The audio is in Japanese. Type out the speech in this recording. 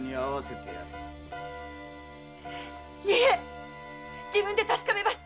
いえ自分で確かめます。